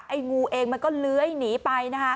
ไอ้งูเองมันก็เล้ยหนีไป